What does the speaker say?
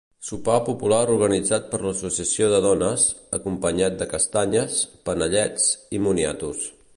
Sopar popular organitzat per l'Associació de dones, acompanyat de castanyes, panellets i moniatos.